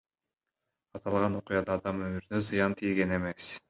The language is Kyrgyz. Аталган окуяда адам өмүрүнө зыян тийген эмес.